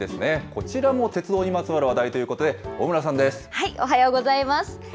こちらも鉄道にまつわる話題といおはようございます。